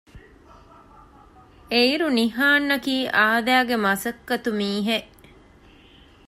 އެއިރު ނިހާންއަކީ އާދައިގެ މަސައްކަތު މީހެއް